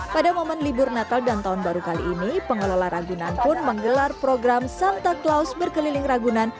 pada momen libur natal dan tahun baru kali ini pengelola ragunan pun menggelar program santa claus berkeliling ragunan